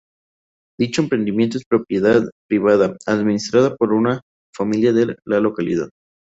Dicho emprendimiento es propiedad privada, administrada por una familia de la localidad.